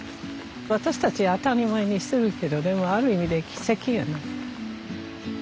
私たち当たり前にしてるけどでもある意味で奇跡やな。